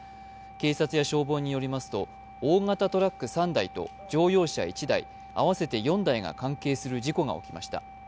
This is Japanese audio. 警察や消防によりますと大型トラック３台と乗用車１台、合わせて４台が関係する事故が起きました。